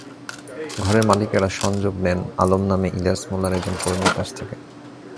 ঘরের মালিকেরা সংযোগ নেন আলম নামে ইলিয়াস মোল্লার একজন কর্মীর কাছ থেকে।